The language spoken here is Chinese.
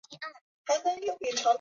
过后才会发现